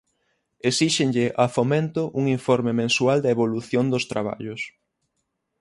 Esíxenlle a Fomento un informe mensual da evolución das traballos.